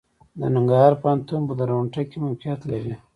د ننګرهار پوهنتون په درنټه کې موقعيت لري.